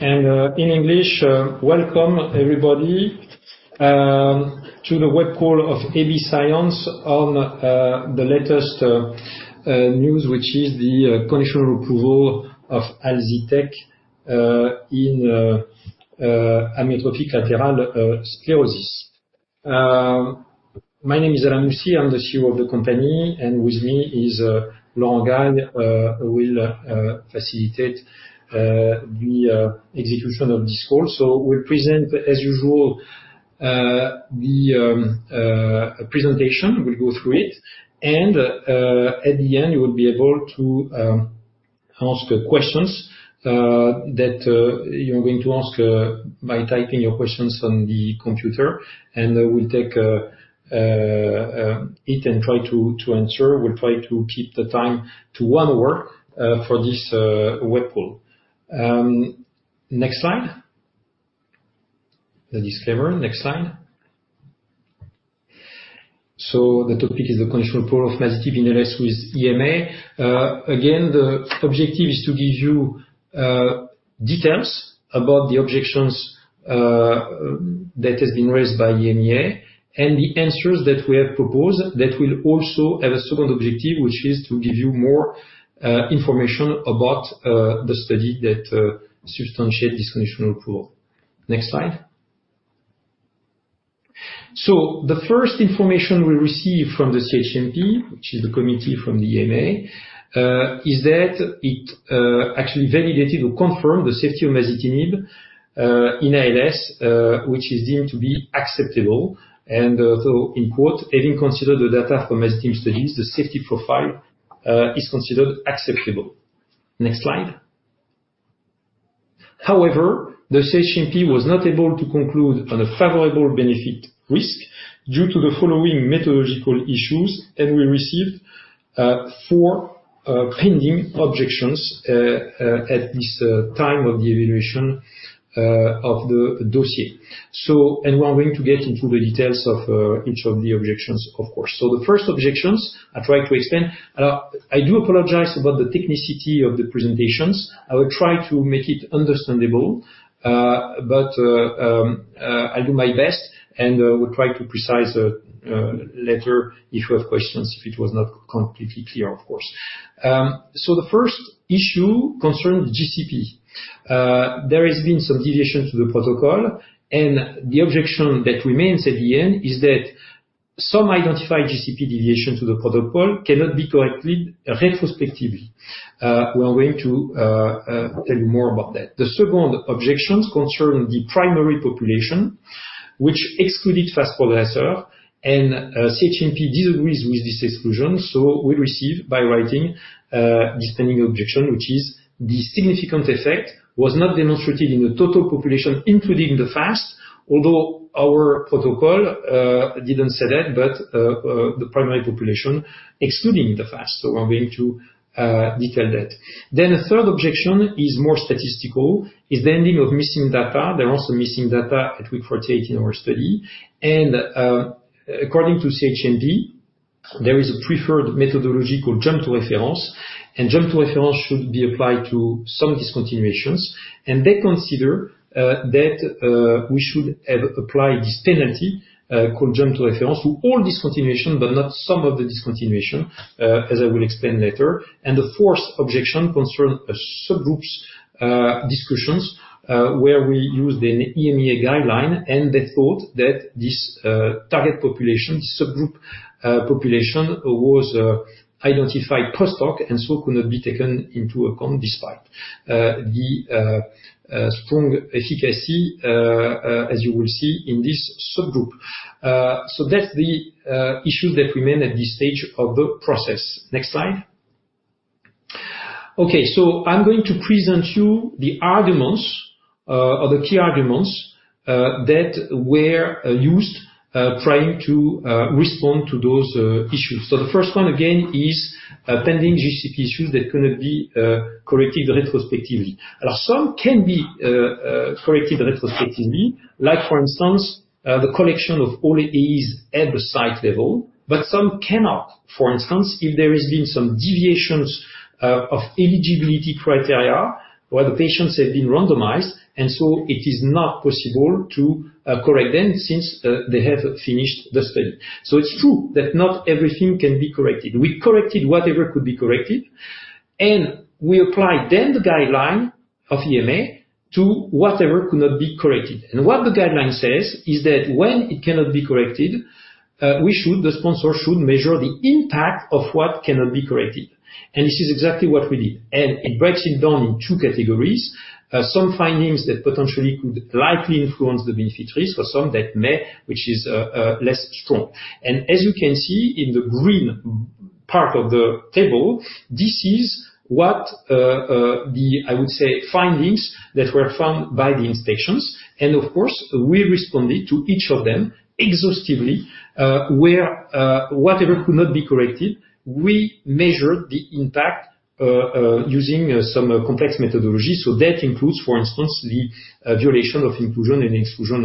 In English, welcome everybody to the web call of AB Science on the latest news, which is the conditional approval of Alsysek in amyotrophic lateral sclerosis. My name is Alain Moussy, I'm the CEO of the company, and with me is Laurent Guy, who will facilitate the execution of this call. So we'll present as usual the presentation. We'll go through it, and at the end, you will be able to ask questions that you're going to ask by typing your questions on the computer, and we'll take it and try to answer. We'll try to keep the time to one hour for this web call. Next slide. The disclaimer. Next slide. So the topic is the conditional approval of masitinib in ALS with EMA. Again, the objective is to give you details about the objections that has been raised by EMA, and the answers that we have proposed, that will also have a second objective, which is to give you more information about the study that substantiate this conditional approval. Next slide. So the first information we received from the CHMP, which is the committee from the EMA, is that it actually validated or confirmed the safety of masitinib in ALS, which is deemed to be acceptable. And so in quote, "Having considered the data from masitinib studies, the safety profile is considered acceptable." Next slide. However, the CHMP was not able to conclude on a favorable benefit risk due to the following methodological issues, and we received four pending objections at this time of the evaluation of the dossier. And we are going to get into the details of each of the objections, of course. So the first objections, I'll try to explain. I do apologize about the technicity of the presentations. I will try to make it understandable, but I'll do my best, and we'll try to precise later if you have questions, if it was not completely clear, of course. So the first issue concerned the GCP. There has been some deviation to the protocol, and the objection that remains at the end is that some identified GCP deviations to the protocol cannot be corrected retrospectively. We are going to tell you more about that. The second objections concern the primary population, which excluded fast progressor, and CHMP disagrees with this exclusion, so we received, in writing, this pending objection, which is the significant effect was not demonstrated in the total population, including the fast, although our protocol didn't say that, but the primary population, excluding the fast. So I'm going to detail that. Then the third objection is more statistical, is the handling of missing data. There are also missing data that we portrayed in our study, and, according to CHMP, there is a preferred methodology called Jump to Reference, and Jump to Reference should be applied to some discontinuations. And they consider that we should have applied this penalty called Jump to Reference to all discontinuation, but not some of the discontinuation, as I will explain later. And the fourth objection concerned subgroups discussions where we used an EMA guideline, and they thought that this target population, subgroup population, was identified post hoc, and so could not be taken into account, despite the strong efficacy as you will see in this subgroup. So that's the issues that remain at this stage of the process. Next slide. Okay, so I'm going to present you the arguments, or the key arguments, that were used trying to respond to those issues. So the first one, again, is pending GCP issues that cannot be corrected retrospectively. Some can be corrected retrospectively, like for instance, the collection of all AEs at the site level, but some cannot. For instance, if there has been some deviations of eligibility criteria, where the patients have been randomized, and so it is not possible to correct them since they have finished the study. So it's true that not everything can be corrected. We corrected whatever could be corrected, and we applied then the guideline of EMA to whatever could not be corrected. What the guideline says is that when it cannot be corrected, the sponsor should measure the impact of what cannot be corrected. And this is exactly what we did, and it breaks it down in two categories. Some findings that potentially could likely influence the benefit risk, or some that may, which is less strong. And as you can see in the green part of the table, this is what the, I would say, findings that were found by the inspections. And of course, we responded to each of them exhaustively, where whatever could not be corrected, we measured the impact using some complex methodology. So that includes, for instance, the violation of inclusion and exclusion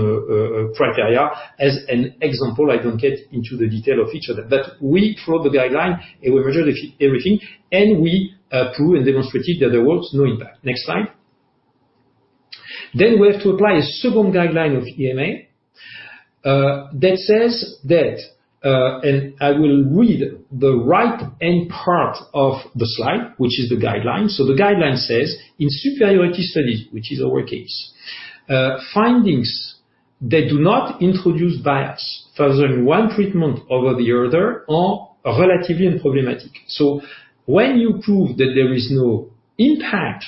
criteria. As an example, I don't get into the detail of each of them, but we followed the guideline, and we measured everything, and we proved and demonstrated that there was no impact. Next slide. Then we have to apply a second guideline of EMA that says that, and I will read the right end part of the slide, which is the guideline. So the guideline says, "In superiority studies," which is our case, "findings that do not introduce bias favoring one treatment over the other are relatively unproblematic." So when you prove that there is no impact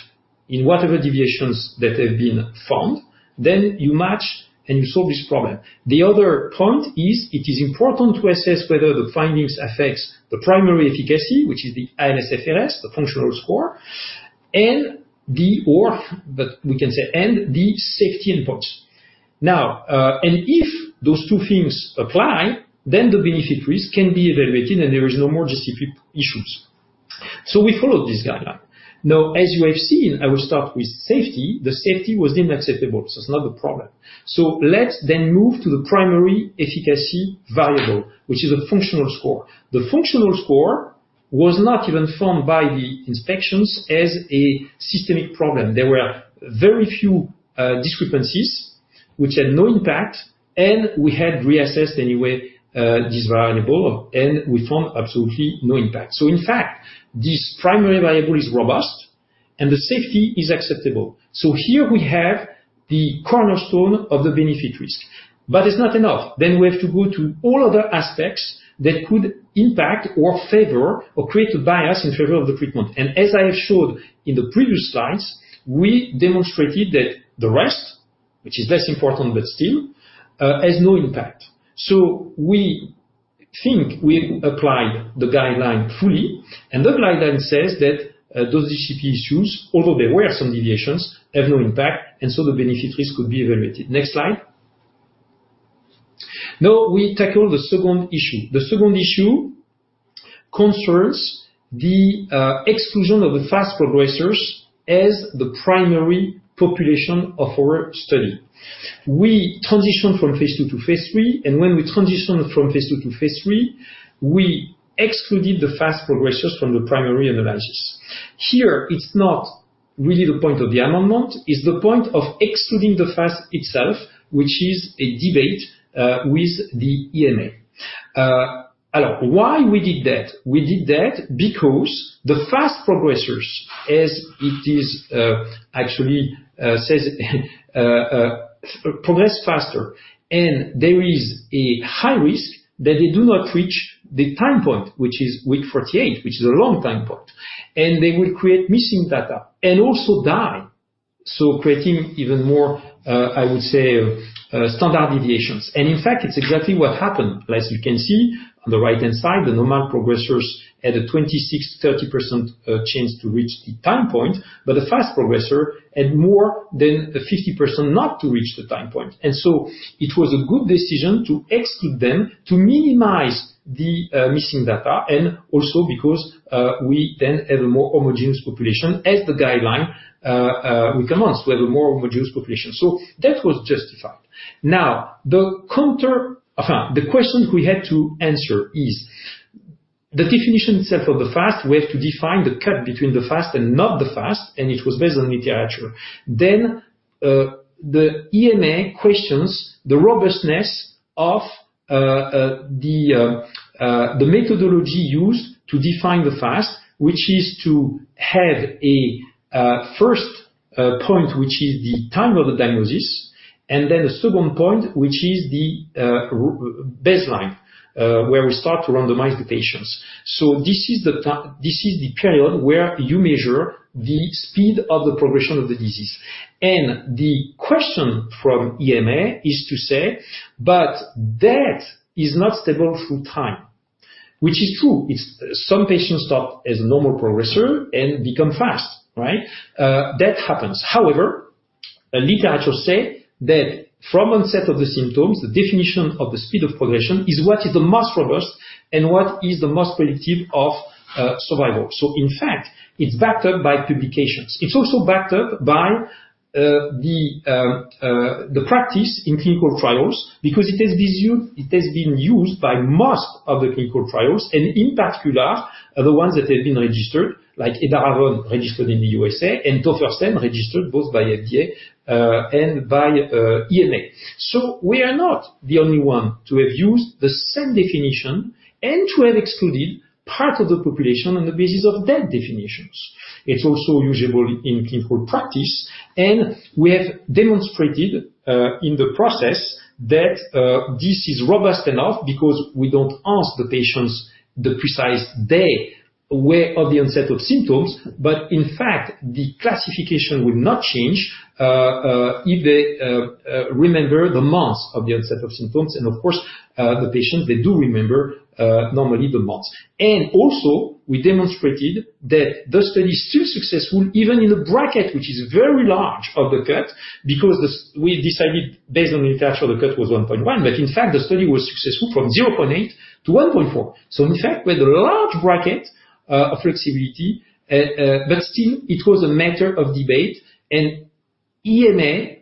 in whatever deviations that have been found, then you match, and you solve this problem. The other point is, it is important to assess whether the findings affects the primary efficacy, which is the ALSFRS, the functional score, and the safety endpoints. Now, and if those two things apply, then the benefit risk can be evaluated, and there is no more GCP issues. So we followed this guideline. Now, as you have seen, I will start with safety. The safety was unacceptable, so it's not the problem. So let's then move to the primary efficacy variable, which is a functional score. The functional score was not even found by the inspections as a systemic problem. There were very few discrepancies, which had no impact, and we had reassessed anyway this variable, and we found absolutely no impact. So in fact, this primary variable is robust, and the safety is acceptable. So here we have the cornerstone of the benefit-risk, but it's not enough. Then we have to go to all other aspects that could impact or favor or create a bias in favor of the treatment. And as I have showed in the previous slides, we demonstrated that the rest, which is less important, but still, has no impact. So we think we applied the guideline fully, and the guideline says that those GCP issues, although there were some deviations, have no impact, and so the benefit-risk could be evaluated. Next slide. Now, we tackle the second issue. The second issue concerns the exclusion of the fast progressors as the primary population of our study. We transitioned from phase II to phase III, and when we transitioned from phase II to phase III, we excluded the fast progressors from the primary analysis. Here, it's not really the point of the amendment, it's the point of excluding the fast itself, which is a debate with the EMA. Why we did that? We did that because the fast progressors, as it is, actually says progress faster, and there is a high risk that they do not reach the time point, which is week 48, which is a long time point, and they will create missing data and also die. So creating even more, I would say, standard deviations. And in fact, it's exactly what happened. As you can see, on the right-hand side, the normal progressors had a 26%-30% chance to reach the time point, but the fast progressor had more than 50% not to reach the time point. It was a good decision to exclude them, to minimize the missing data, and also because we then have a more homogeneous population, as the guideline recommends, we have a more homogeneous population. So that was justified. Now, the counter. The question we had to answer is the definition set for the fast. We have to define the cut between the fast and not the fast, and it was based on literature. The EMA questions the robustness of the methodology used to define the fast, which is to have a first point, which is the time of the diagnosis, and then a second point, which is the baseline, where we start to randomize the patients. So this is the period where you measure the speed of the progression of the disease. And the question from EMA is to say, "But that is not stable through time," which is true. It's some patients start as a normal progressor and become fast, right? That happens. However, a literature say that from onset of the symptoms, the definition of the speed of progression is what is the most robust and what is the most predictive of survival. So in fact, it's backed up by publications. It's also backed up by the practice in clinical trials, because it has been used by most of the clinical trials, and in particular, the ones that have been registered, like edaravone, registered in the USA, and tofersen, registered both by FDA and by EMA. So we are not the only one to have used the same definition and to have excluded part of the population on the basis of that definition. It's also usable in clinical practice, and we have demonstrated in the process that this is robust enough because we don't ask the patients the precise date of the onset of symptoms, but in fact, the classification would not change if they remember the months of the onset of symptoms, and of course, the patients, they do remember normally the months. And also, we demonstrated that the study is still successful, even in the bracket, which is very large of the cut, because we decided based on the literature, the cut was 1.1. But in fact, the study was successful from 0.8 to 1.4. So in fact, we had a large bracket of flexibility, but still it was a matter of debate, and EMA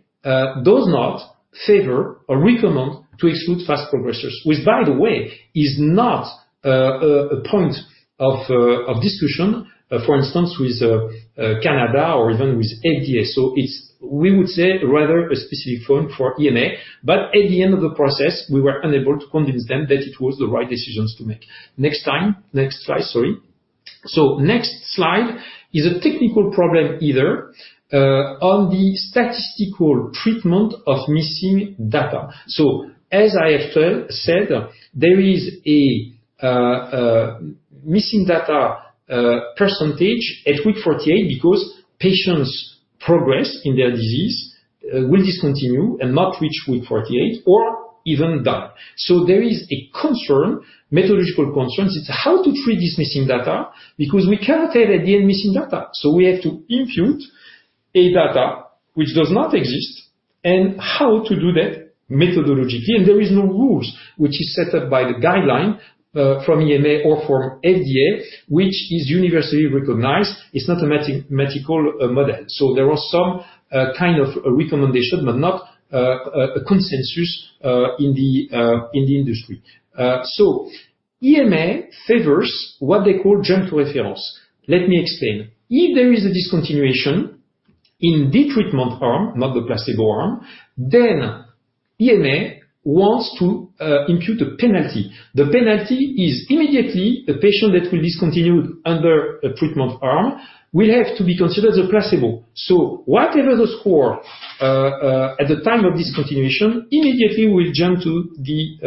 does not favor or recommend to exclude fast progressors, which by the way, is not a point of discussion, for instance, with Canada or even with FDA. So it's, we would say, rather a specific point for EMA, but at the end of the process, we were unable to convince them that it was the right decisions to make. Next time. Next slide, sorry. So next slide is a technical problem, either, on the statistical treatment of missing data. So as I have said, there is a missing data percentage at week 48, because patients progress in their disease will discontinue and not reach week 48 or even die. So there is a concern, methodological concern. It's how to treat this missing data, because we cannot have, at the end, missing data. So we have to impute a data which does not exist, and how to do that methodologically, and there is no rules, which is set up by the guideline from EMA or from FDA, which is universally recognized. It's not a mathematical model. So there are some kind of recommendation, but not a consensus in the industry. So EMA favors what they call Jump to Reference. Let me explain. If there is a discontinuation in the treatment arm, not the placebo arm, then EMA wants to impute a penalty. The penalty is immediately the patient that will discontinue under a treatment arm will have to be considered as a placebo. So whatever the score at the time of discontinuation, immediately will jump to the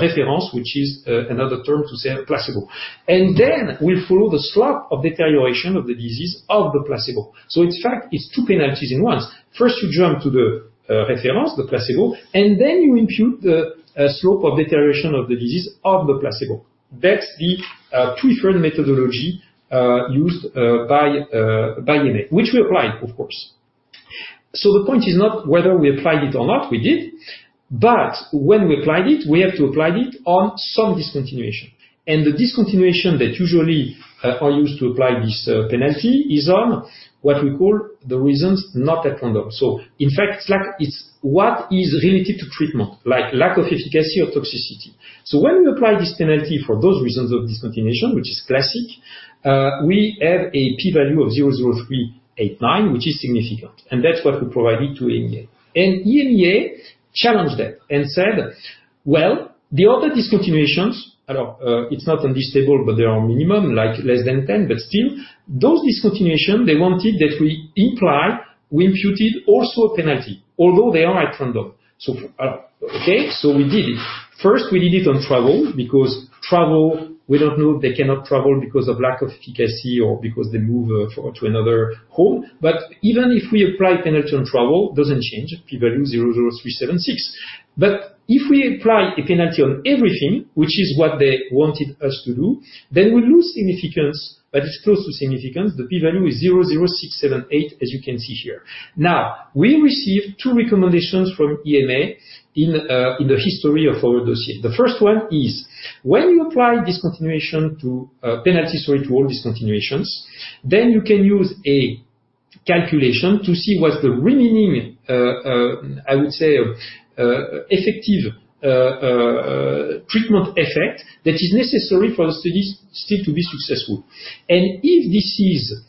reference, which is another term to say placebo. And then we follow the slope of deterioration of the disease of the placebo. So in fact, it's two penalties in once. First, you jump to the reference, the placebo, and then you impute the slope of deterioration of the disease of the placebo. That's the preferred methodology used by EMA, which we applied, of course. So the point is not whether we applied it or not, we did. But when we applied it, we have to applied it on some discontinuation. And the discontinuation that usually are used to apply this penalty, is on what we call the reasons, not at random. So in fact, it's like it's what is related to treatment, like lack of efficacy or toxicity. So when we apply this penalty for those reasons of discontinuation, which is classic, we have a P value of 0.00389, which is significant, and that's what we provided to EMA. And EMA challenged that and said, "Well, the other discontinuations," it's not on this table, but there are minimum, like less than 10, but still, those discontinuations, they wanted that we impute we imputed also penalty, although they are at random. So, okay, so we did it. First, we did it on travel, because travel, we don't know, they cannot travel because of lack of efficacy or because they move to another home. But even if we apply penalty on travel, doesn't change P value 0.00376. But if we apply a penalty on everything, which is what they wanted us to do, then we lose significance, but it's close to significance. The P value is 0.00678, as you can see here. Now, we received two recommendations from EMA in the history of our dossier. The first one is, when you apply discontinuation to penalty, sorry, to all discontinuations, then you can use a calculation to see what's the remaining treatment effect that is necessary for the studies still to be successful. And if this is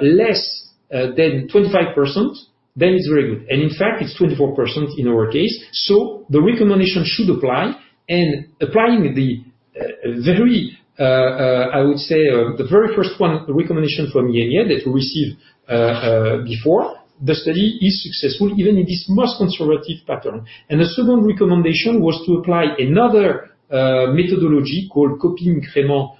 less than 25%, then it's very good. And in fact, it's 24% in our case. So the recommendation should apply, and applying the very, I would say, the very first one recommendation from EMA that we received before, the study is successful, even in this most conservative pattern. And the second recommendation was to apply another methodology called Copy Reference,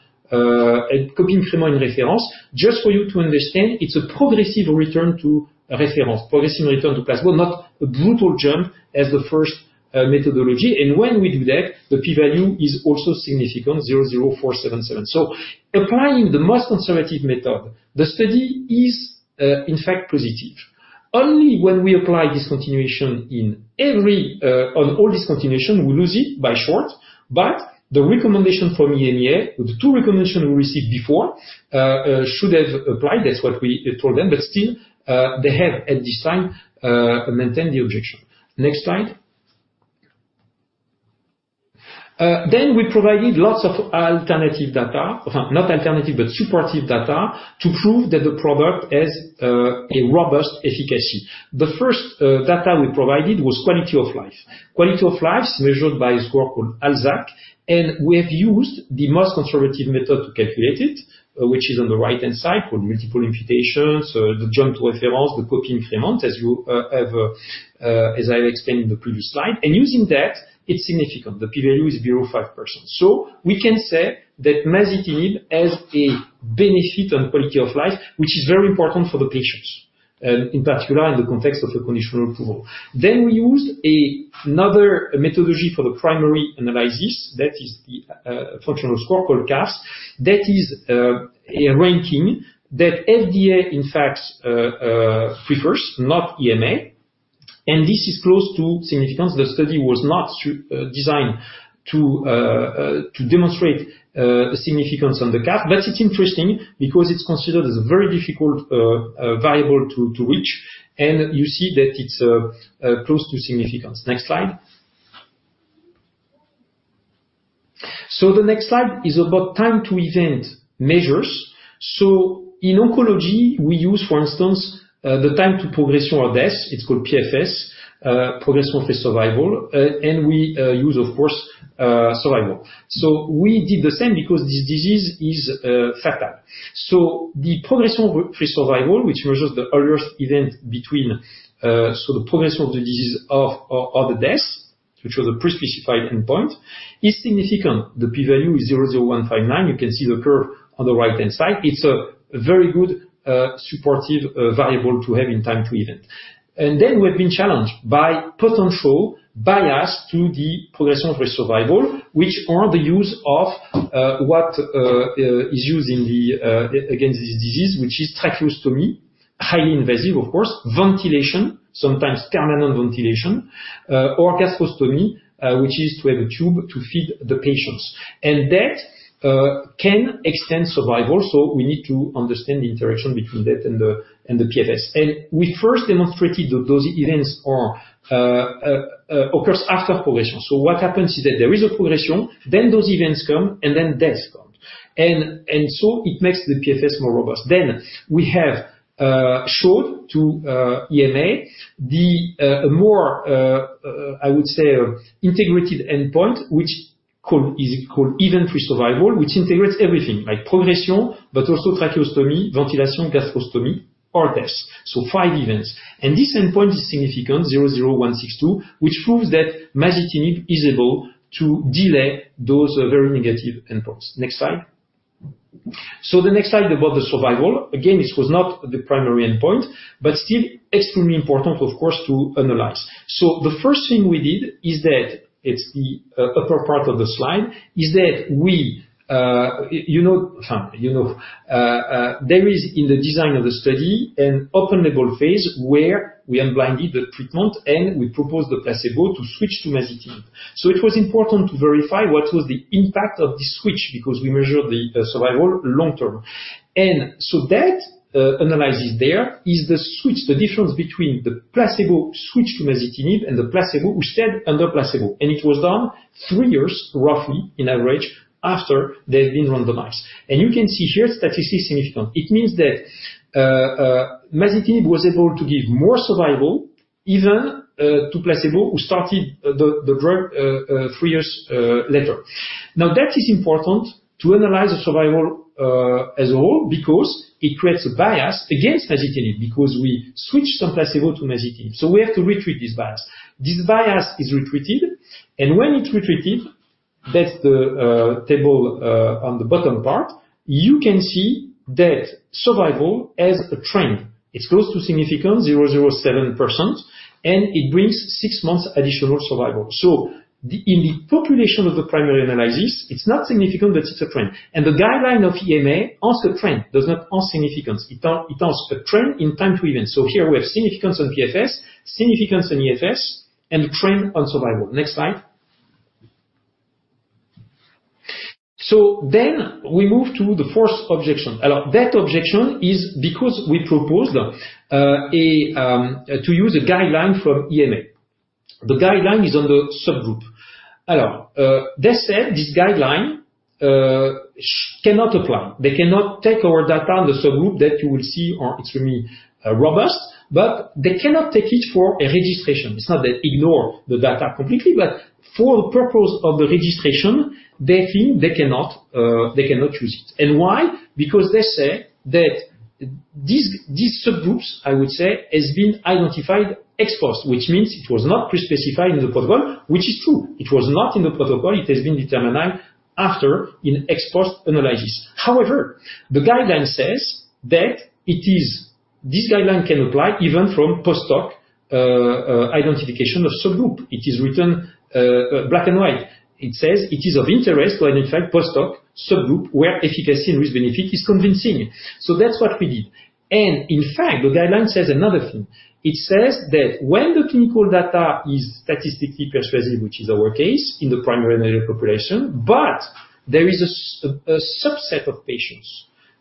Copy Reference and reference. Just for you to understand, it's a progressive return to reference, progressive return to placebo, not a brutal jump as the first methodology. And when we do that, the P value is also significant, 0.00477. So applying the most conservative method, the study is, in fact, positive. Only when we apply discontinuation in every on all discontinuation, we lose it by short, but the recommendation from EMA, the two recommendation we received before should have applied. That's what we told them, but still, they have at this time maintained the objection. Next slide. Then we provided lots of alternative data. Not alternative, but supportive data, to prove that the product has a robust efficacy. The first data we provided was quality of life. Quality of life measured by a score called ALSAQ, and we have used the most conservative method to calculate it, which is on the right-hand side, called multiple imputations, the jump to reference, the copy reference, as you have, as I explained in the previous slide. And using that, it's significant. The P value is 0.05%. So we can say that masitinib has a benefit on quality of life, which is very important for the patients, in particular, in the context of the conditional approval. Then we used another methodology for the primary analysis, that is the functional score called CAFS. That is a ranking that FDA, in fact, prefers, not EMA, and this is close to significance. The study was not designed to demonstrate the significance on the CAP. But it's interesting because it's considered as a very difficult variable to reach, and you see that it's close to significance. Next slide. So the next slide is about time to event measures. So in oncology, we use, for instance, the time to progression or death. It's called PFS, progression-free survival, and we use, of course, survival. So we did the same because this disease is fatal. So the progression-free survival, which measures the earliest event between... So the progression of the disease or the death, which was a pre-specified endpoint, is significant. The P value is 0.00159. You can see the curve on the right-hand side. It's a very good, supportive, variable to have in time to event. And then we've been challenged by potential bias to the progression-free survival, which are the use of what is used against this disease, which is tracheostomy, highly invasive, of course, ventilation, sometimes permanent ventilation, or gastrostomy, which is to have a tube to feed the patients. And that can extend survival, so we need to understand the interaction between that and the PFS. And we first demonstrated that those events are occurs after progression. So what happens is that there is a progression, then those events come, and then deaths come. And so it makes the PFS more robust. Then we have showed to EMA the more I would say integrated endpoint, which is called event-free survival, which integrates everything, like progression, but also tracheostomy, ventilation, gastrostomy, or death. So five events. And this endpoint is significant, 0.00162, which proves that masitinib is able to delay those very negative endpoints. Next slide. So the next slide about the survival. Again, this was not the primary endpoint, but still extremely important, of course, to analyze. So the first thing we did is that, it's the upper part of the slide, is that we, you know, there is in the design of the study, an open-label phase where we unblinded the treatment, and we proposed the placebo to switch to masitinib. So it was important to verify what was the impact of this switch, because we measured the survival long term. And so that analysis there is the switch, the difference between the placebo switch to masitinib and the placebo who stayed under placebo, and it was done 3 years, roughly, in average, after they've been randomized. And you can see here, statistically significant. It means that masitinib was able to give more survival even to placebo, who started the drug 3 years later. Now, that is important to analyze the survival as a whole, because it creates a bias against masitinib, because we switched some placebo to masitinib. So we have to retreat this bias. This bias is retreated, and when it's retreated, that's the table on the bottom part, you can see that survival as a trend. It's close to significant, 0.007%, and it brings six months additional survival. So the, in the population of the primary analysis, it's not significant, but it's a trend. And the guideline of EMA asks a trend, does not ask significance. It ask, it asks a trend in time to event. So here we have significance on PFS, significance on EFS, and trend on survival. Next slide. So then we move to the fourth objection. That objection is because we proposed a to use a guideline from EMA. The guideline is on the subgroup. They said this guideline cannot apply. They cannot take our data on the subgroup that you will see are extremely robust, but they cannot take it for a registration. It's not that they ignore the data completely, but for the purpose of the registration, they feel they cannot, they cannot use it. And why? Because they say that these, these subgroups, I would say, has been identified ex post, which means it was not pre-specified in the protocol, which is true. It was not in the protocol. It has been determined after, in ex post analysis. However, the guideline says that this guideline can apply even from post hoc identification of subgroup. It is written black and white. It says, "It is of interest to identify post hoc subgroup where efficacy and risk benefit is convincing." So that's what we did. And in fact, the guideline says another thing. It says that when the clinical data is statistically persuasive, which is our case in the primary analysis population, but there is a subset of patients,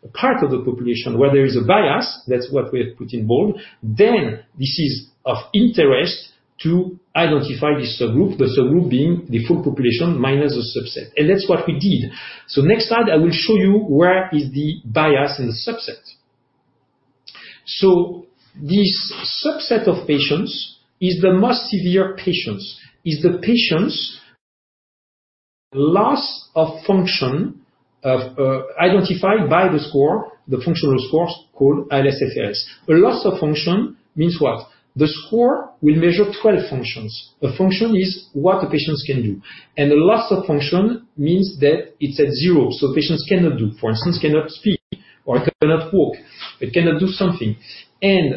a part of the population, where there is a bias, that's what we have put in bold, then this is of interest to identify the subgroup, the subgroup being the full population minus the subset. And that's what we did. So next slide, I will show you where is the bias in the subset. So this subset of patients is the most severe patients, is the patients' loss of function identified by the score, the functional score called ALSFRS. A loss of function means what? The score will measure 12 functions. A function is what the patients can do, and the loss of function means that it's at zero, so patients cannot do. For instance, cannot speak or cannot walk. They cannot do something. And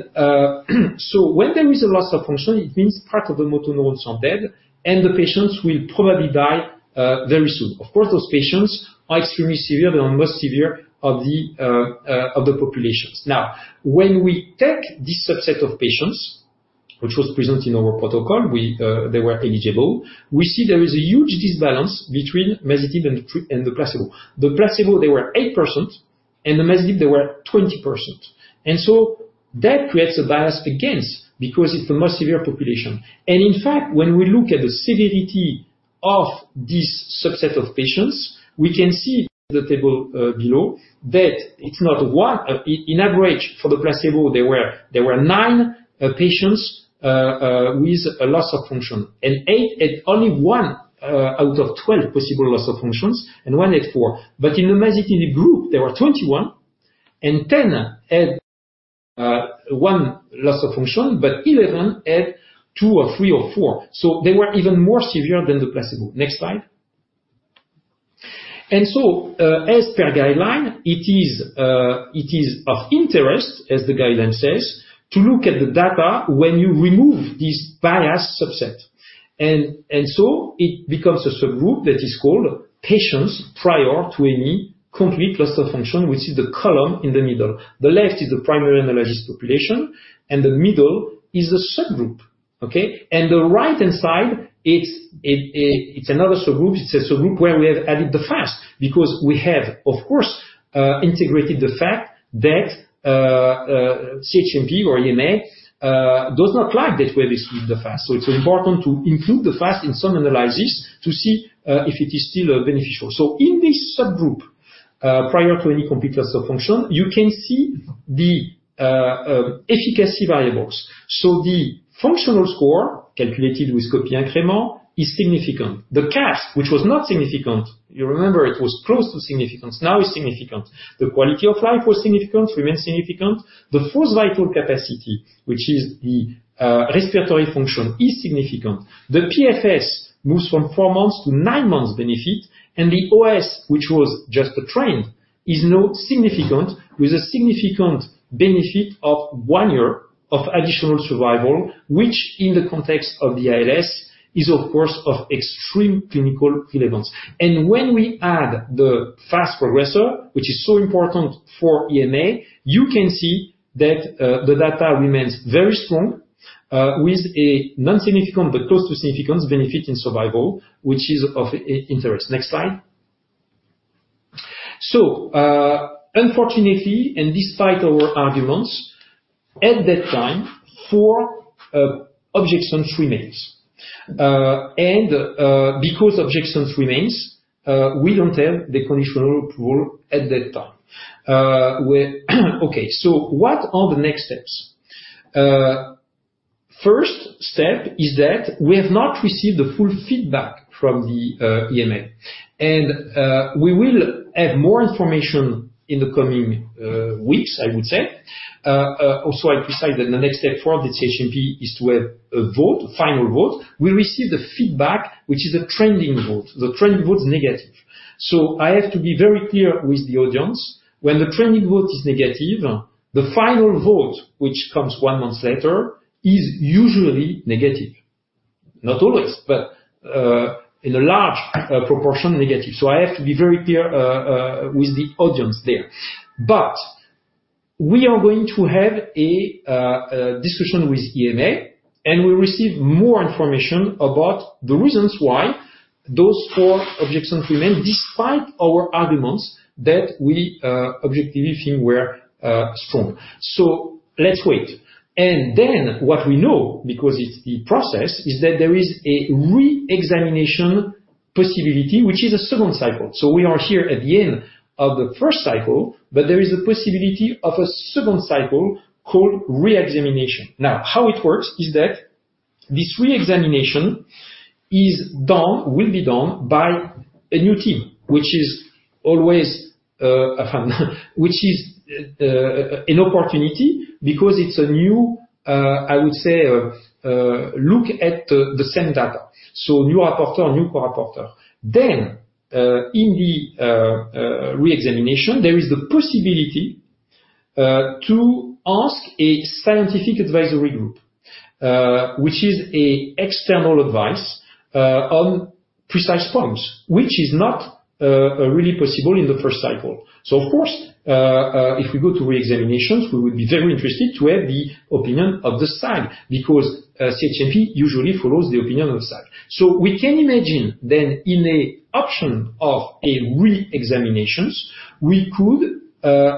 so when there is a loss of function, it means part of the motor neurons are dead, and the patients will probably die very soon. Of course, those patients are extremely severe. They are most severe of the populations. Now, when we take this subset of patients which was present in our protocol, they were eligible. We see there is a huge imbalance between masitinib and the placebo. The placebo, they were 8%, and the masitinib, they were 20%. And so that creates a bias against, because it's a more severe population. In fact, when we look at the severity of this subset of patients, we can see the table, below, that it's not one, in average for the placebo, there were nine patients with a loss of function, and eight had only one out of 12 possible loss of functions, and one had four. But in the masitinib group, there were 21, and ten had one loss of function, but eleven had two or three or four. So they were even more severe than the placebo. Next slide. So, as per guideline, it is of interest, as the guideline says, to look at the data when you remove this biased subset. So it becomes a subgroup that is called patients prior to any complete loss of function, which is the column in the middle. The left is the primary analysis population, and the middle is the subgroup, okay? And the right-hand side, it's another subgroup. It's a subgroup where we have added the fast, because we have, of course, integrated the fact that CHMP or EMA does not like that way we split the fast. So it's important to include the fast in some analysis to see if it is still beneficial. So in this subgroup, prior to any Copy Reference, you can see the efficacy variables. So the functional score, calculated with Copy Reference, is significant. The CAFS, which was not significant, you remember it was close to significance, now is significant. The quality of life was significant, remains significant. The forced vital capacity, which is the respiratory function, is significant. The PFS moves from four months to nine months benefit, and the OS, which was just a trend, is now significant, with a significant benefit of one year of additional survival, which in the context of the ALS, is, of course, of extreme clinical relevance. And when we add the fast progressor, which is so important for EMA, you can see that the data remains very strong with a non-significant but close to significant benefit in survival, which is of interest. Next slide. So, unfortunately, and despite our arguments, at that time, four objections remains. And because objections remains, we don't have the conditional approval at that time. Okay, so what are the next steps? First step is that we have not received the full feedback from the EMA, and we will have more information in the coming weeks, I would say. Also, I precise that the next step for the CHMP is to have a vote, final vote. We received the feedback, which is a trending vote. The trending vote is negative. So I have to be very clear with the audience, when the trending vote is negative, the final vote, which comes one month later, is usually negative. Not always, but in a large proportion, negative. So I have to be very clear with the audience there. But we are going to have a discussion with EMA, and we receive more information about the reasons why those four objections remain, despite our arguments that we objectively feel were strong. So let's wait. And then what we know, because it's the process, is that there is a re-examination possibility, which is a second cycle. So we are here at the end of the first cycle, but there is a possibility of a second cycle called re-examination. Now, how it works is that this re-examination is done, will be done by a new team, which is always an opportunity, because it's a new, I would say, look at the same data. So new reporter, new co-reporter. Then, in the re-examination, there is the possibility to ask a Scientific Advisory Group, which is an external advice on precise points, which is not really possible in the first cycle. So of course, if we go to re-examinations, we would be very interested to have the opinion of the SAG, because CHMP usually follows the opinion of the SAG. So we can imagine then, in an option of a re-examinations, we could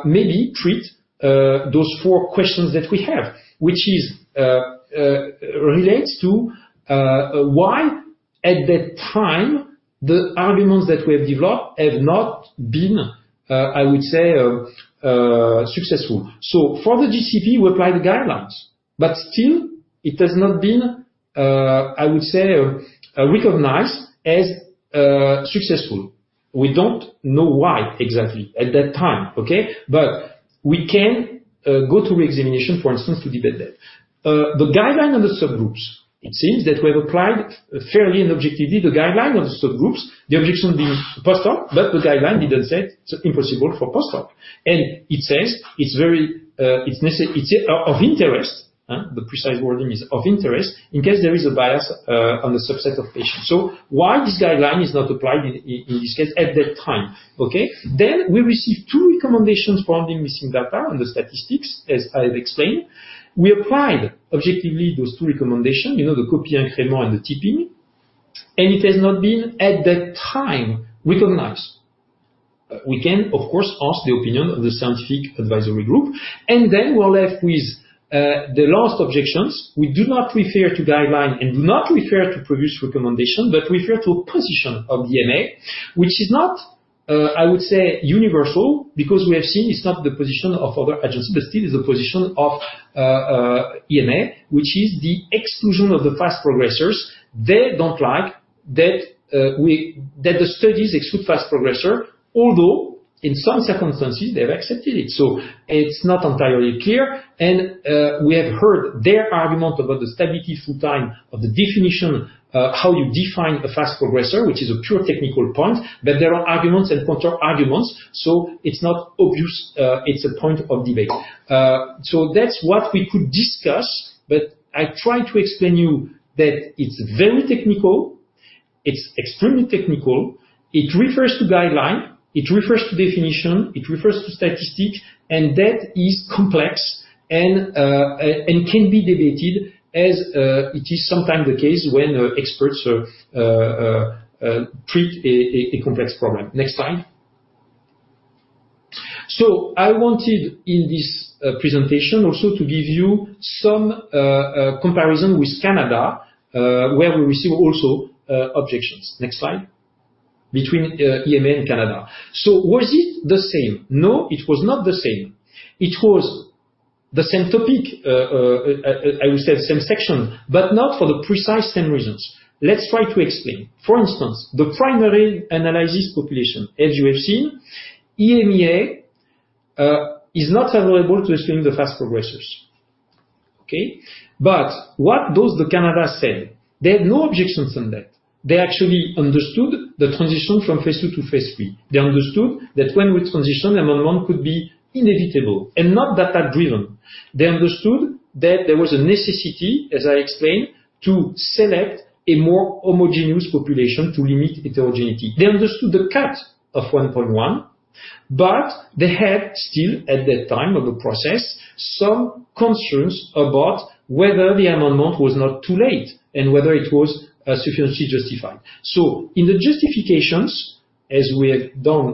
maybe treat those four questions that we have, which relates to why at that time, the arguments that we have developed have not been, I would say, successful. So for the GCP, we applied the guidelines, but still, it has not been, I would say, recognized as successful. We don't know why exactly at that time, okay? But we can go to re-examination, for instance, to debate that. The guideline on the subgroups, it seems that we have applied fairly and objectively the guideline on the subgroups. The objection being post hoc, but the guideline didn't say it's impossible for post hoc. It says it's very, it's of interest in case there is a bias on the subset of patients. The precise wording is "of interest," So why this guideline is not applied in this case at that time, okay? We received two recommendations for handling missing data on the statistics, as I have explained. We applied objectively those two recommendations, you know, the copy reference and the J2R and it has not been, at that time, recognized. We can, of course, ask the opinion of the Scientific Advisory Group, and then we're left with the last objections. We do not refer to guideline and do not refer to previous recommendation, but refer to position of the EMA, which is not, I would say universal, because we have seen it's not the position of other agencies, but still is the position of EMA, which is the exclusion of the fast progressors. They don't like that, that the studies exclude fast progressor, although in some circumstances, they have accepted it. So it's not entirely clear, and we have heard their argument about the stability through time of the definition, how you define a fast progressor, which is a pure technical point, but there are arguments and counter arguments, so it's not obvious, it's a point of debate. So that's what we could discuss, but I try to explain you that it's very technical. It's extremely technical. It refers to guideline, it refers to definition, it refers to statistic, and that is complex, and can be debated as it is sometimes the case when experts treat a complex problem. Next slide. So I wanted, in this presentation, also to give you some comparison with Canada, where we receive also objections. Next slide. Between EMA and Canada. So was it the same? No, it was not the same. It was the same topic, I would say the same section, but not for the precise same reasons. Let's try to explain. For instance, the primary analysis population, as you have seen, EMA is not favorable to excluding the fast progressers. Okay? But what does the Canada say? They had no objections on that. They actually understood the transition from phase II to phase III. They understood that when we transition, amendment could be inevitable and not data-driven. They understood that there was a necessity, as I explained, to select a more homogeneous population to limit heterogeneity. They understood the cut of 1.1, but they had still, at that time of the process, some concerns about whether the amendment was not too late and whether it was sufficiently justified. So in the justifications, as we have done,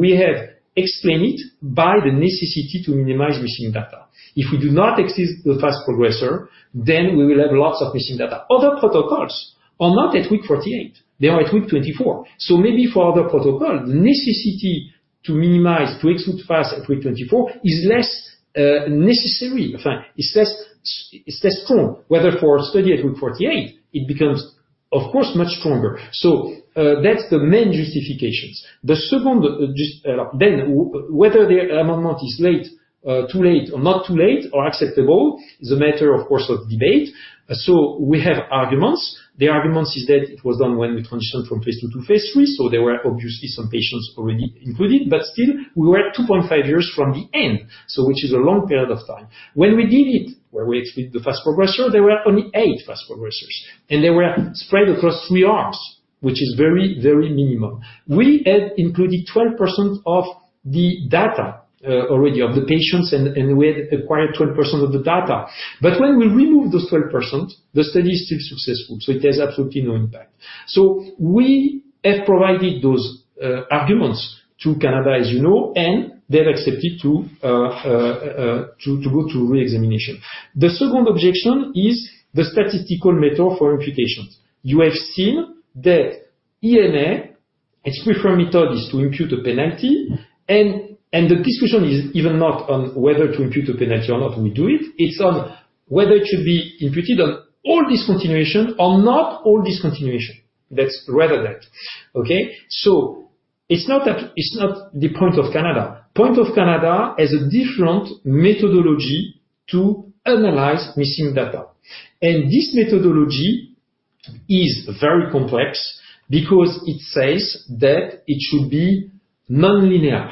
we have explained it by the necessity to minimize missing data. If we do not exclude the fast progresser, then we will have lots of missing data. Other protocols are not at week 48, they are at week 24. So maybe for other protocol, necessity to minimize to exclude fast at week 24, is less necessary. In fact, it's less, it's less strong. Whether for a study at week 48, it becomes, of course, much stronger. So, that's the main justifications. The second, just... Then, whether the amendment is late, too late or not too late, or acceptable, is a matter of course of debate. So we have arguments. The arguments is that it was done when we transitioned from phase II to phase III so there were obviously some patients already included, but still, we were at 2.5 years from the end, so which is a long period of time. When we did it, where we exclude the fast progressor, there were only 8 fast progressors, and they were spread across 3 arms, which is very, very minimum. We had included 12% of the data already of the patients, and we had acquired 12% of the data. But when we remove those 12%, the study is still successful, so it has absolutely no impact. So we have provided those arguments to Canada, as you know, and they've accepted to go to reexamination. The second objection is the statistical method for imputations. You have seen that EMA, its preferred method is to impute a penalty, and the discussion is even not on whether to impute a penalty or not, we do it. It's on whether it should be imputed on all discontinuation or not all discontinuation. That's rather that, okay? So it's not that... It's not the point of Canada. Health Canada has a different methodology to analyze missing data, and this methodology is very complex because it says that it should be nonlinear.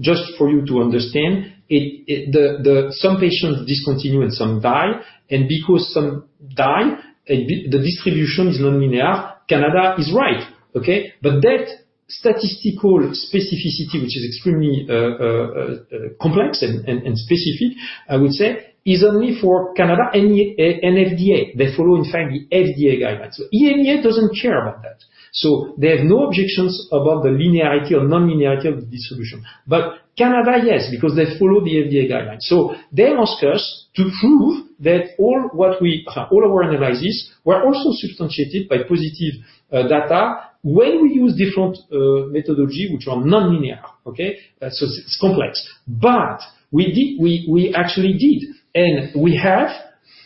Just for you to understand, some patients discontinue and some die, and because some die, and the distribution is nonlinear, Canada is right, okay? But that statistical specificity, which is extremely complex and specific, I would say, is only for Canada and FDA. They follow, in fact, the FDA guidelines. So EMA doesn't care about that. So they have no objections about the linearity or non-linearity of the distribution. But Canada, yes, because they follow the FDA guidelines. So they ask us to prove that all what we, all of our analysis were also substantiated by positive, data when we use different, methodology, which are nonlinear, okay? So it's complex. But we actually did, and we have,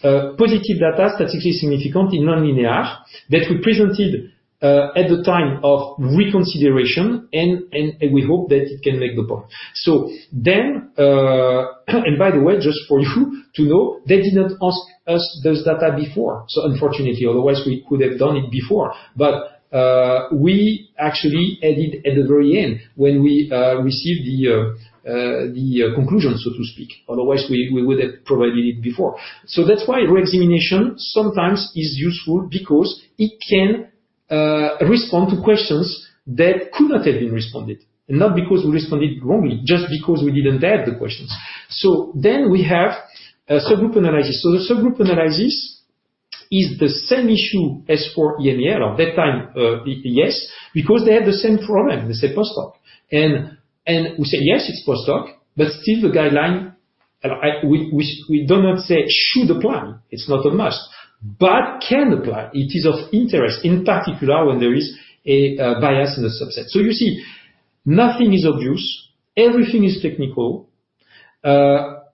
positive data, statistically significant in nonlinear, that we presented, at the time of reconsideration, and, and, and we hope that it can make the point. So then, and by the way, just for you to know, they did not ask us this data before, so unfortunately, otherwise we could have done it before. But, we actually added at the very end, when we received the, the conclusion, so to speak, otherwise we would have provided it before. So that's why reexamination sometimes is useful, because it can respond to questions that could not have been responded. Not because we responded wrongly, just because we didn't have the questions. So then we have a subgroup analysis. So the subgroup analysis is the same issue as for EMA or that time, yes, because they have the same problem, the same post hoc. And, and we say, "Yes, it's post hoc," but still the guideline, we, we do not say should apply, it's not a must, but can apply. It is of interest, in particular, when there is a bias in the subset. So you see, nothing is obvious, everything is technical, and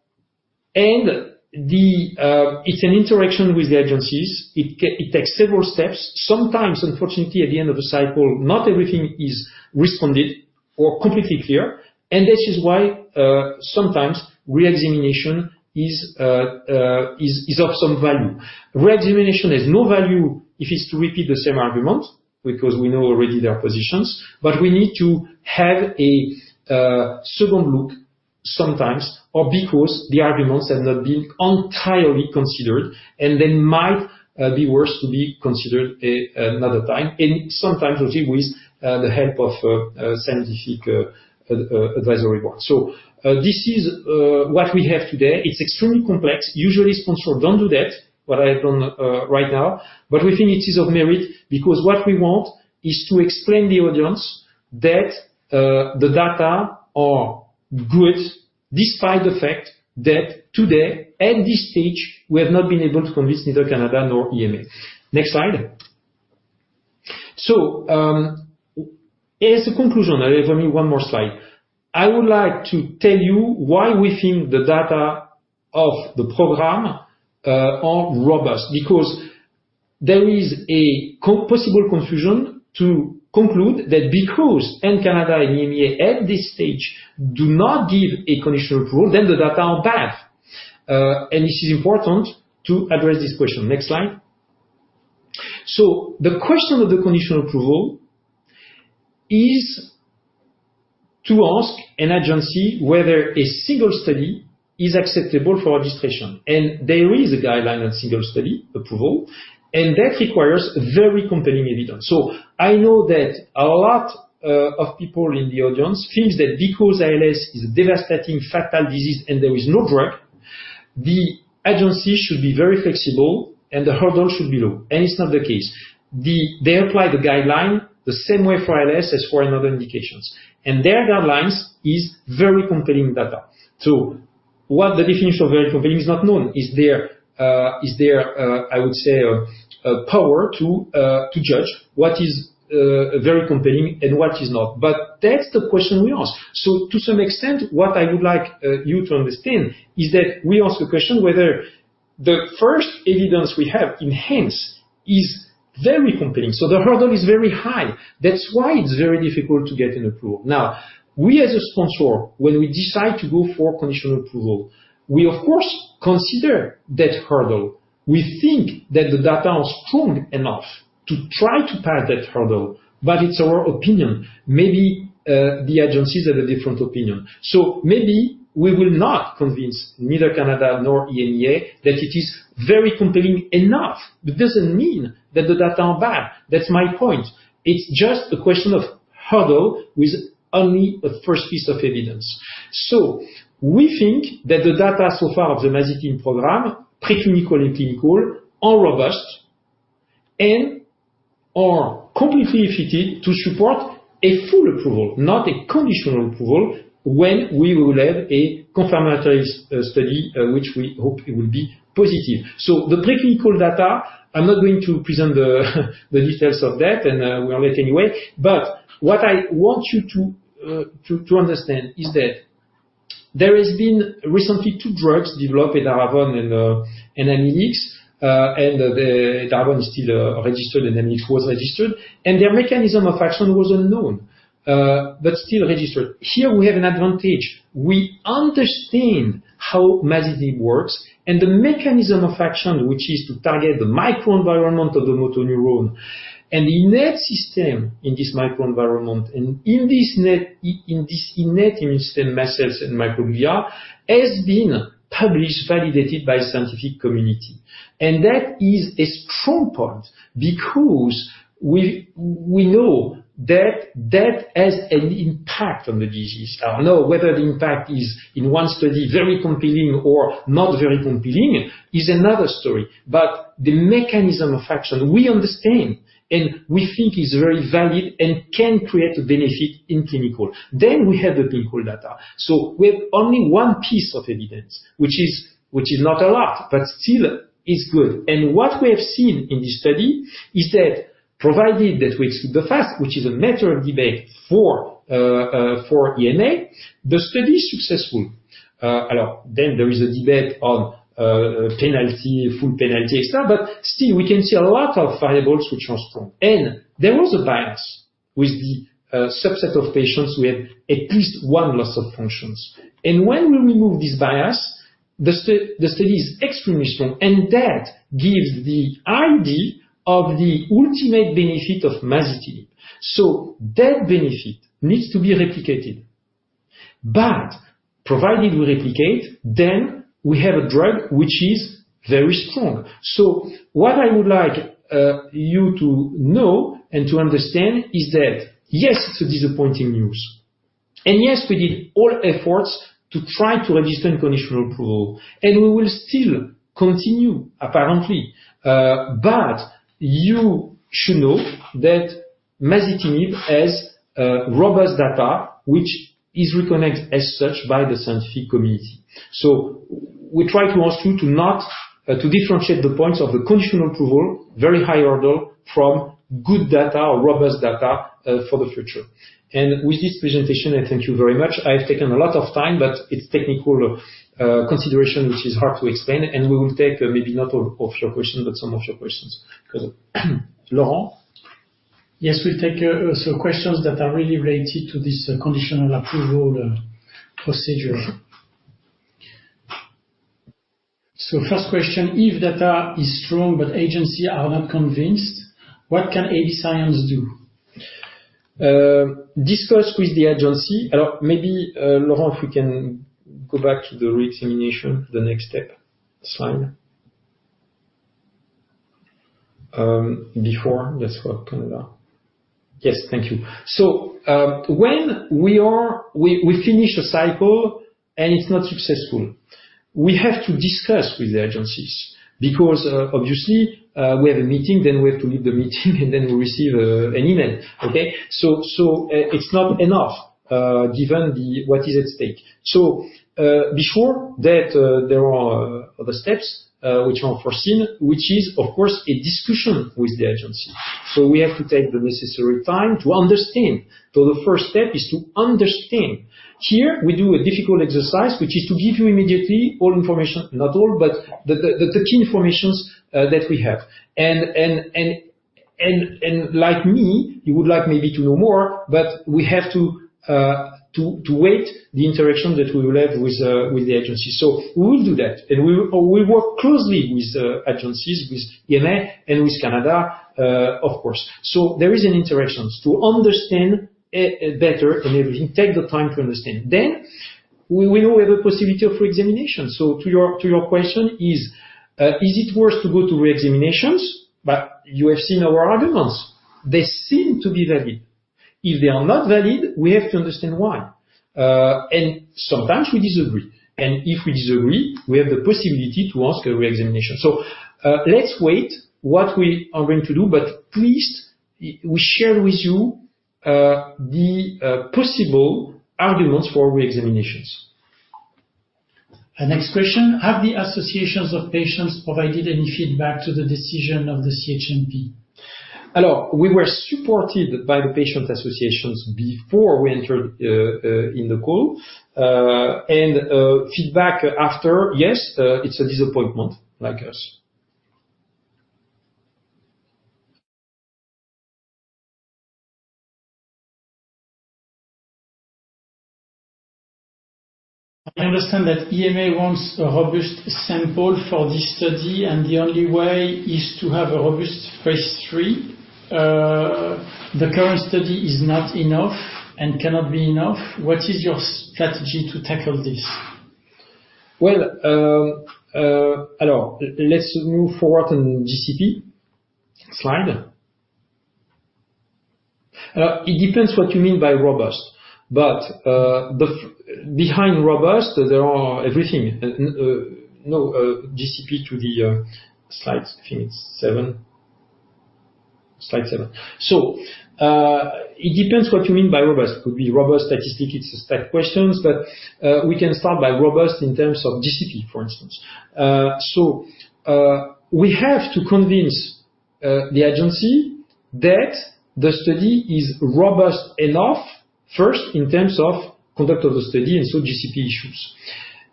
it's an interaction with the agencies. It takes several steps. Sometimes, unfortunately, at the end of the cycle, not everything is responded or completely clear, and this is why sometimes re-examination is of some value. Re-examination has no value if it's to repeat the same argument, because we know already their positions. But we need to have a second look sometimes, or because the arguments have not been entirely considered, and they might be worth to be considered another time, and sometimes with the help of Scientific Advisory Board. So, this is what we have today. It's extremely complex. Usually, sponsors don't do that, what I have done, right now, but we think it is of merit, because what we want is to explain the audience that, the data are good, despite the fact that today, at this stage, we have not been able to convince neither Canada nor EMA. Next slide. So, as a conclusion, I have only one more slide. I would like to tell you why we think the data of the program, are robust, because there is a possible confusion to conclude that because in Canada and EMA, at this stage, do not give a conditional approval, then the data are bad. And this is important to address this question. Next slide. So the question of the conditional approval is to ask an agency whether a single study is acceptable for registration, and there is a guideline on single study approval, and that requires very compelling evidence. So I know that a lot of people in the audience thinks that because ALS is a devastating fatal disease and there is no drug, the agencies should be very flexible, and the hurdle should be low, and it's not the case. They apply the guideline the same way for ALS as for another indications, and their guidelines is very compelling data. So what the definition of very compelling is not known. Is there, I would say, a power to judge what is very compelling and what is not? But that's the question we ask. So to some extent, what I would like, you to understand, is that we ask a question whether the first evidence we have in ALS is very compelling. So the hurdle is very high. That's why it's very difficult to get an approval. Now, we, as a sponsor, when we decide to go for conditional approval, we, of course, consider that hurdle. We think that the data are strong enough to try to pass that hurdle, but it's our opinion. Maybe, the agencies have a different opinion. So maybe we will not convince neither Canada nor EMA that it is very compelling enough, but doesn't mean that the data are bad. That's my point. It's just a question of hurdle with only a first piece of evidence. So we think that the data so far of the masitinib program, preclinical and clinical, are robust and are completely fitted to support a full approval, not a conditional approval, when we will have a confirmatory study, which we hope it will be positive. So the preclinical data, I'm not going to present the details of that, and, we are late anyway, but what I want you to, to understand is that there has been recently two drugs developed, Edaravone and, and AMX. And the Edaravone is still, registered, and then AMX was registered, and their mechanism of action was unknown, but still registered. Here, we have an advantage. We understand how masitinib works and the mechanism of action, which is to target the microenvironment of the motor neuron, and the innate immune system in this microenvironment, and in this network, in this innate immune system, macrophages and microglia, has been published, validated by the scientific community. That is a strong point, because we know that that has an impact on the disease. I don't know whether the impact is, in one study, very compelling or not very compelling, is another story, but the mechanism of action we understand, and we think is very valid and can create a benefit in clinical. Then we have the clinical data. We have only one piece of evidence, which is not a lot, but still is good. What we have seen in this study is that provided that we exclude the fact, which is a matter of debate for EMA, the study is successful. Then there is a debate on penalty, full penalty and so on, but still, we can see a lot of variables which are strong. And there was a bias with the subset of patients who had at least one loss of functions. And when we remove this bias, the study is extremely strong, and that gives the idea of the ultimate benefit of masitinib. So that benefit needs to be replicated.... But provided we replicate, then we have a drug which is very strong. So what I would like you to know and to understand is that, yes, it's disappointing news, and yes, we did all efforts to try to register conditional approval, and we will still continue, apparently. But you should know that masitinib has robust data, which is recognized as such by the scientific community. So we try to ask you to not to differentiate the points of the conditional approval, very high order, from good data or robust data for the future. And with this presentation, I thank you very much. I've taken a lot of time, but it's technical consideration, which is hard to explain, and we will take maybe not all of your questions, but some of your questions. Laurent? Yes, we take questions that are really related to this conditional approval procedure. So first question: If data is strong but agency are not convinced, what can AB Science do? Discuss with the agency. Or maybe, Laurent, if we can go back to the re-examination, the next step, slide. Before. Yes, for Canada. Yes, thank you. So, when we finish a cycle and it's not successful, we have to discuss with the agencies because, obviously, we have a meeting, then we have to leave the meeting, and then we receive an email, okay? So, it's not enough, given the... what is at stake. So, before that, there are other steps, which are unforeseen, which is, of course, a discussion with the agency. So we have to take the necessary time to understand. So the first step is to understand. Here, we do a difficult exercise, which is to give you immediately all information, not all, but the key information that we have. And like me, you would like maybe to know more, but we have to wait the interaction that we will have with the agency. So we will do that, and we will. We work closely with the agencies, with EMA and with Canada, of course. So there is an interaction. To understand better and everything, take the time to understand. Then, we will have a possibility of re-examination. So to your question, is it worth to go to re-examination? But you have seen our arguments. They seem to be valid. If they are not valid, we have to understand why. And sometimes we disagree, and if we disagree, we have the possibility to ask a re-examination. So, let's wait what we are going to do, but please, we share with you the possible arguments for re-examinations. Next question: Have the associations of patients provided any feedback to the decision of the CHMP? Hello. We were supported by the patient associations before we entered in the call. Feedback after, yes, it's a disappointment, like us. I understand that EMA wants a robust sample for this study, and the only way is to have a robust phase III. The current study is not enough and cannot be enough. What is your strategy to tackle this? Well, hello. Let's move forward on GCP. Slide. It depends what you mean by robust, but the fact behind robust, there are everything. No, GCP to the slide, I think it's seven. Slide seven. So, it depends what you mean by robust. It could be robust statistics, it's stats questions, but we can start by robust in terms of GCP, for instance. So, we have to convince the agency that the study is robust enough, first in terms of conduct of the study, and so GCP issues.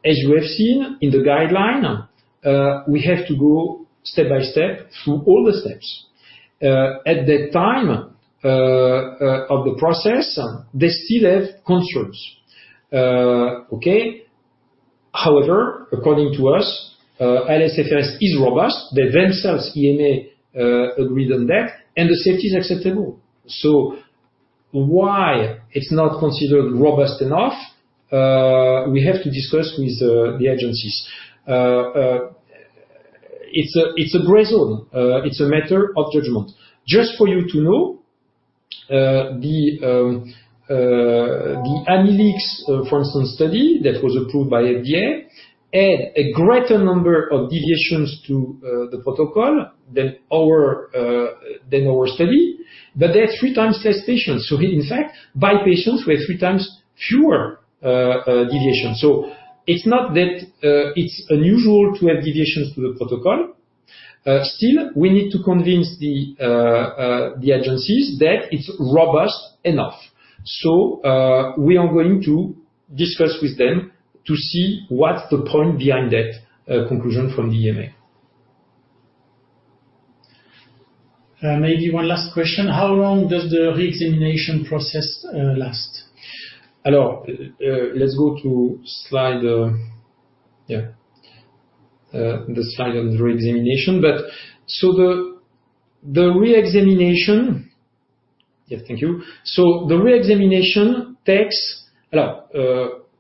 As you have seen in the guideline, we have to go step by step through all the steps. At that time of the process, they still have concerns. Okay? However, according to us, LSFS is robust. They themselves, EMA, agreed on that, and the safety is acceptable. So why it's not considered robust enough, we have to discuss with the agencies. It's a gray zone. It's a matter of judgment. Just for you to know, the Amylyx, for instance, study that was approved by FDA, had a greater number of deviations to the protocol than our study, but they had three times less patients. So in fact, by patients, we have three times fewer deviations. So it's not that it's unusual to have deviations to the protocol. Still, we need to convince the agencies that it's robust enough. So we are going to discuss with them to see what's the point behind that conclusion from the EMA. Maybe one last question: How long does the re-examination process last? Hello. Let's go to the slide on reexamination. But the reexamination, yeah, thank you. So the reexamination takes.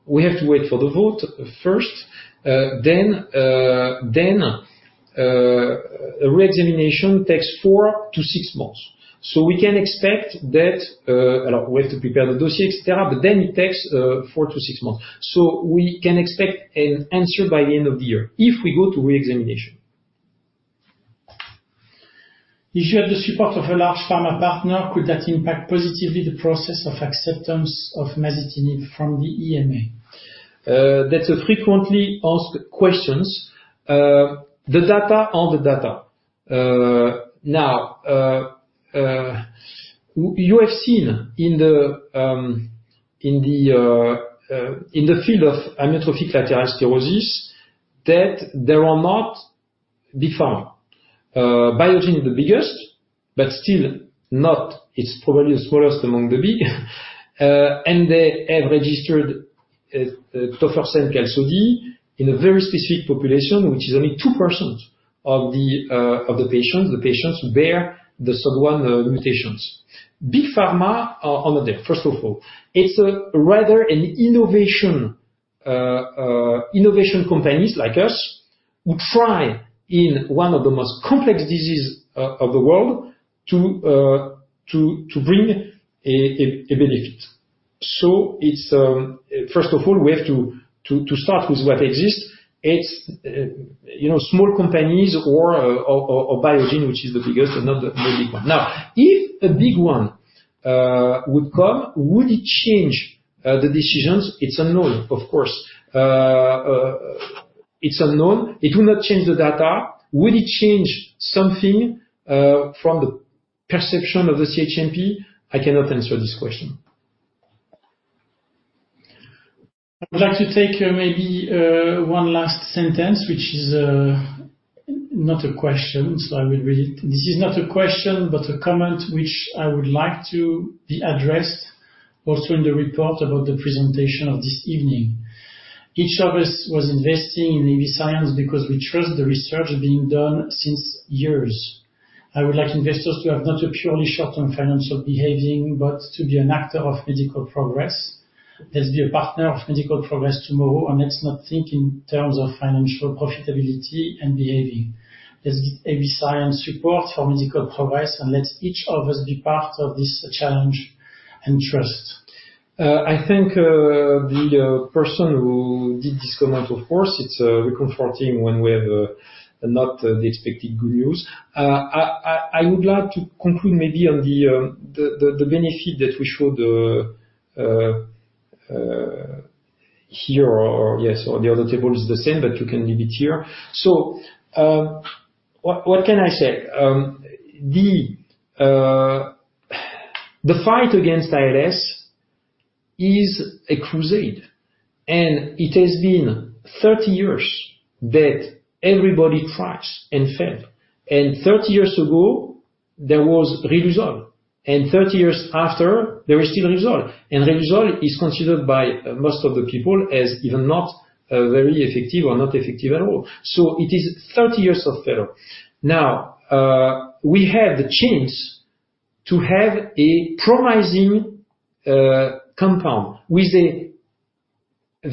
We have to wait for the vote first, then a reexamination takes 4-6 months. So we can expect that. We have to prepare the dossiers, but then it takes 4-6 months. So we can expect an answer by the end of the year, if we go to reexamination. If you had the support of a large pharma partner, could that impact positively the process of acceptance of masitinib from the EMA? That's a frequently asked questions. The data are the data. Now, you have seen in the field of amyotrophic lateral sclerosis, that there are not Big Pharma. Biogen is the biggest, but still not... It's probably the smallest among the big. And they have registered tofersen Qalsody, in a very specific population, which is only 2% of the patients. The patients bear the SOD1 mutations. Big Pharma are on there, first of all, it's a rather an innovation. Innovation companies like us, who try, in one of the most complex diseases of the world, to bring a benefit. So it's first of all, we have to start with what exists. It's, you know, small companies or, or, Biogen, which is the biggest, but not the big one. Now, if a big one would come, would it change the decisions? It's unknown, of course. It's unknown. It will not change the data. Would it change something from the perception of the CHMP? I cannot answer this question. I would like to take, maybe, one last sentence, which is not a question, so I will read it. This is not a question, but a comment which I would like to be addressed also in the report about the presentation of this evening. Each of us was investing in AB Science because we trust the research being done since years. I would like investors to have not a purely short-term financial behaving, but to be an actor of medical progress. Let's be a partner of medical progress tomorrow, and let's not think in terms of financial profitability and behaving. Let's AB Science support for medical progress, and let each of us be part of this challenge and trust. I thank the person who did this comment. Of course, it's comforting when we have not the expected good news. I would like to conclude maybe on the benefit that we showed here, or yes, on the other table is the same, but you can leave it here. So, what can I say? The fight against ALS is a crusade, and it has been 30 years that everybody tries and fail. And 30 years ago, there was riluzole, and 30 years after, there is still riluzole. And riluzole is considered by most of the people as even not very effective or not effective at all. So it is 30 years of failure. Now, we have the chance to have a promising, compound with a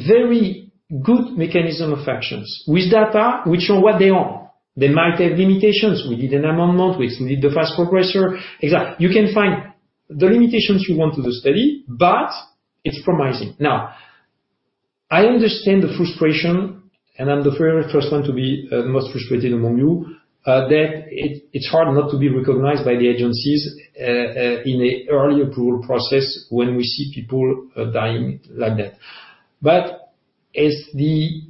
very good mechanism of actions, with data which are what they are. They might have limitations. We need an amendment. We need the fast progressor. You can find the limitations you want to the study, but it's promising. Now, I understand the frustration, and I'm the very first one to be, the most frustrated among you, that it, it's hard not to be recognized by the agencies, in a early approval process when we see people, dying like that. But as the,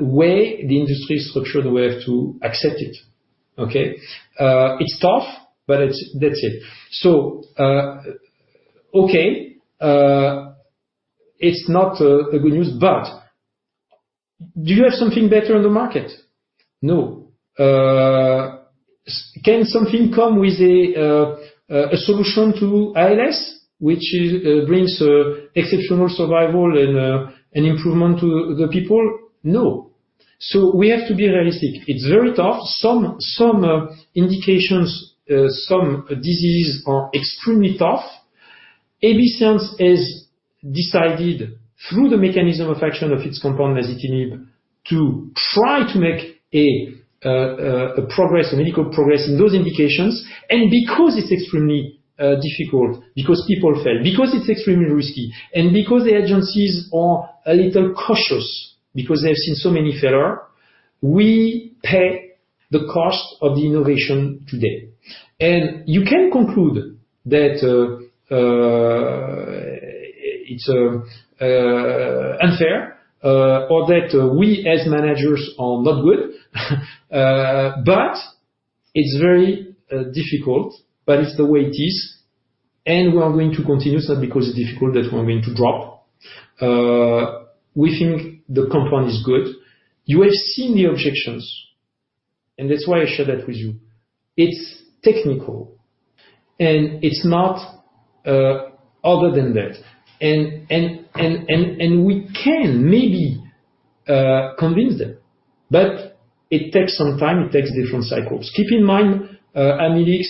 way the industry is structured, we have to accept it. Okay? It's tough, but it's- that's it. So, okay, it's not, a good news, but do you have something better on the market? No. Can something come with a solution to ALS, which brings exceptional survival and an improvement to the people? No. So we have to be realistic. It's very tough. Some indications, some diseases are extremely tough. AB Science has decided, through the mechanism of action of its compound, masitinib, to try to make a progress, a medical progress in those indications. And because it's extremely difficult, because people fail, because it's extremely risky, and because the agencies are a little cautious, because they have seen so many failure, we pay the cost of the innovation today. And you can conclude that, it's unfair, or that we, as managers, are not good. But it's very difficult, but it's the way it is, and we are going to continue. It's not because it's difficult that we're going to drop. We think the compound is good. You have seen the objections, and that's why I share that with you. It's technical, and it's not other than that. And we can maybe convince them, but it takes some time, it takes different cycles. Keep in mind, Amylyx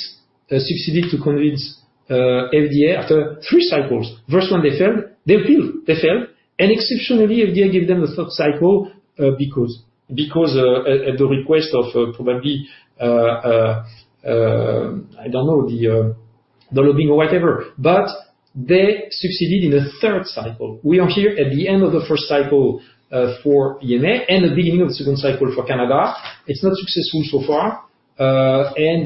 succeeded to convince FDA after three cycles. First one, they failed. They failed. They failed, and exceptionally, FDA gave them a third cycle, because at the request of probably I don't know, the lobbying or whatever, but they succeeded in the third cycle. We are here at the end of the first cycle for EMA, and the beginning of the second cycle for Canada. It's not successful so far, and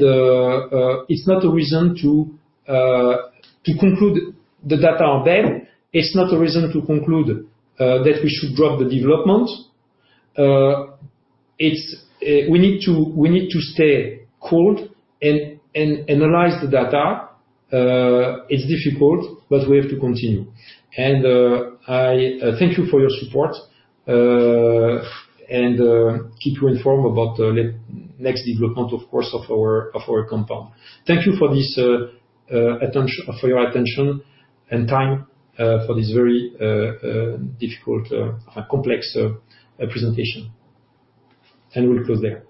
it's not a reason to conclude the data are bad. It's not a reason to conclude that we should drop the development. We need to stay cold and analyze the data. It's difficult, but we have to continue. And I thank you for your support, and keep you informed about the next development, of course, of our compound. Thank you for this, for your attention and time, for this very difficult and complex presentation. And we'll close there.